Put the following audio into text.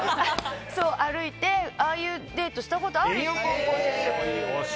歩いて、ああいうデートしたことあるよ、高校の時に。